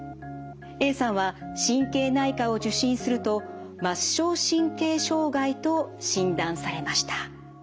Ａさんは神経内科を受診すると末梢神経障害と診断されました。